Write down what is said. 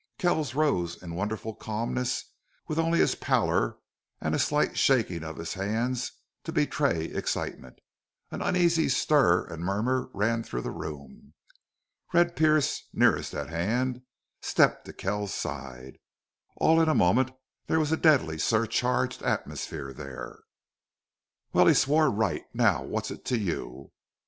Kells rose in wonderful calmness, with only his pallor and a slight shaking of his hands to betray excitement. An uneasy stir and murmur ran through the room. Red Pearce, nearest at hand, stepped to Kells's side. All in a moment there was a deadly surcharged atmosphere there. "Well, he swore right!... Now what's it to you?"